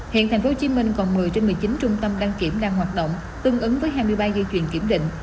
hiện tp hcm còn một mươi trên một mươi chín trung tâm đăng kiểm đang hoạt động tương ứng với hai mươi ba dây chuyền kiểm định